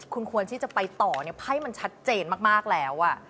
คุณควรที่จะไปต่อเนี่ยไพ่มันชัดเจนมากแล้ว